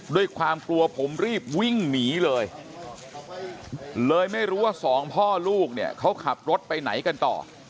ด้วยความกลัวผมรีบวิ่งหนีเลยเลยไม่รู้ว่าสองพ่อลูกเนี่ยเขาขับรถไปไหนกันต่อ